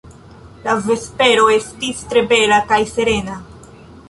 La vespero estis tre bela kaj serena.